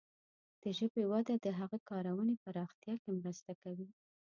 د ژبې وده د هغه کارونې پراختیا کې مرسته کوي.